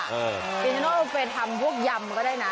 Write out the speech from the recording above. อีกทีนอกเราไปทำพวกยำก็ได้นะ